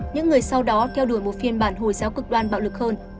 những người sau đó theo đuổi một phiên bản hồi giáo cực đoan bạo lực hơn